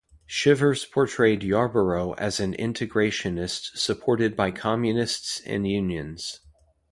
Shivers portrayed Yarborough as an integrationist supported by communists and unions.